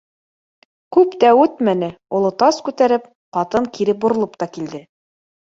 Күп тә үтмәне, оло тас күтәреп, ҡатын кире боролоп та килде